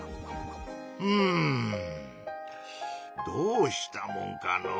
うんどうしたもんかのう。